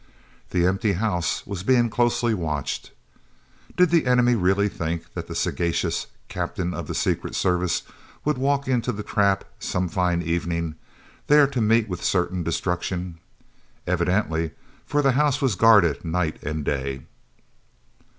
The empty house was being closely watched. Did the enemy really think that the sagacious Captain of the Secret Service would walk into the trap some fine evening, there to meet with certain destruction? Evidently, for the house was guarded night and day.